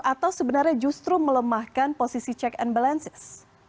atau sebenarnya justru melemahkan posisi check and balances